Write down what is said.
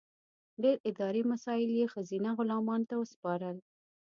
ډېر اداري مسایل یې ښځینه غلامانو ته وسپارل.